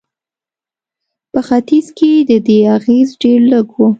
په ختیځ کې د دې اغېز ډېر لږ و.